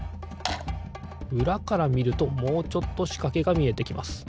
うらからみるともうちょっとしかけがみえてきます。